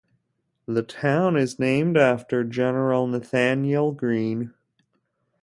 The town is named after General Nathanael Greene.